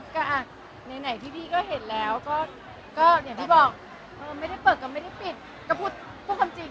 ก็อ่ะไหนที่พี่ก็เห็นแล้วก็อย่างที่บอกไม่ได้เปิดก็ไม่ได้ปิดก็พูดพูดความจริง